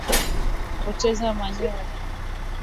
Kupoteza manyoya